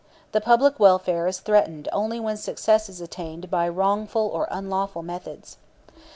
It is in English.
[the public welfare is threatened only when success is attained] by wrongful or unlawful methods."